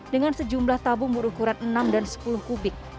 dengan sejumlah tabung berukuran enam dan sepuluh kubik